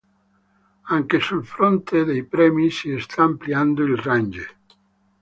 Anche sul fronte dei premi si sta ampliando il range.